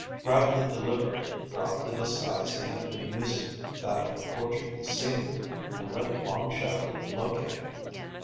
Bradley deliberately dropped the disguise he had been using, that of a Portuguese seaman, and let Long Shadow locate him.